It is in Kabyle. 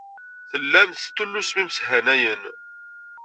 Tellam testullusem imeshanayen.